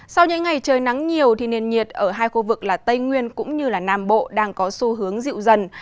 sau những ngày trời nắng nhiều thì nền nhiệt ở hai khu vực là tây nguyên cũng như nam bộ đang có xu hướng dịu dần